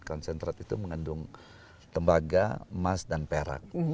konsentrat itu mengandung tembaga emas dan perak